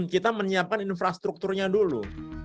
kita menyiapkan infrastrukturnya dulu